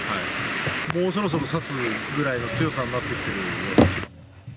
もうそろそろ差すぐらいの強さになってきてるような。